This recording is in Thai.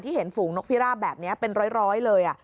เห็นฝูงนกพิราบแบบนี้เป็นร้อยเลย